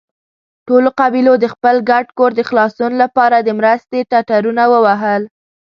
ټولو قبيلو د خپل ګډ کور د خلاصون له پاره د مرستې ټټرونه ووهل.